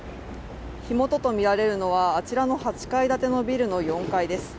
火元とみられるのは、あちらの８階建てのビルの４階です。